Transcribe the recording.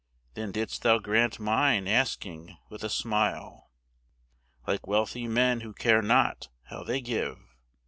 Then didst thou grant mine asking with a smile, Like wealthy men who care not how they give.